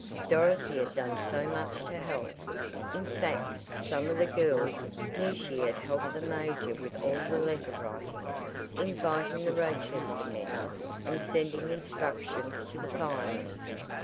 Dorothy had done so much to help, in fact some of the girls knew she had helped the major with all the letter writing, inviting the Rochester men, and sending instructions to the firemen.